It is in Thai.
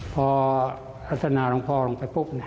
พอพัฒนาหลวงพ่อลงไปปุ๊บ